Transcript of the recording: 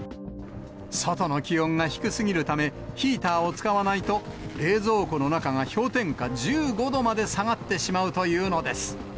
外の気温が低すぎるため、ヒーターを使わないと、冷蔵庫の中が氷点下１５度まで下がってしまうというのです。